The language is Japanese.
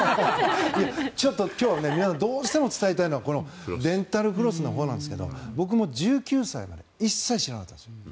ちょっと今日皆さんにどうしても伝えたいのはデンタルフロスのほうなんですが僕も１９歳まで一切知らなかったです。